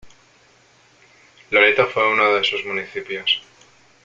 Loreto fue uno de sus municipios.